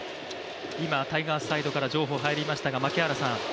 今タイガースサイドから情報が入りました。